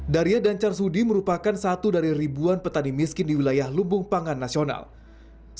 darya dhancharsudi merupakan bagian dari ribuan petani miskin di wilayah lumbung pangan nasional ooobye